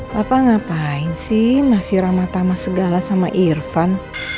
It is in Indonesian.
papa ngapain sih masih ramah tamah segala sama irfan